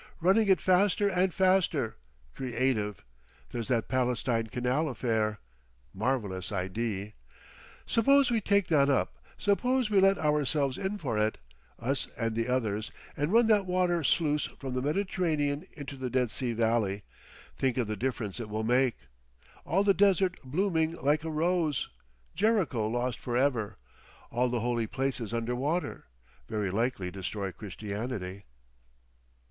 Running it faster and faster. Creative. There's that Palestine canal affair. Marvellous idee! Suppose we take that up, suppose we let ourselves in for it, us and the others, and run that water sluice from the Mediterranean into the Dead Sea Valley—think of the difference it will make! All the desert blooming like a rose, Jericho lost for ever, all the Holy Places under water.... Very likely destroy Christianity."...